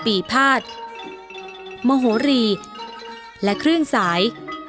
ปีภาษมโหรีและเครื่องสาย